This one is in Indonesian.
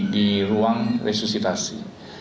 di ruang resusitasi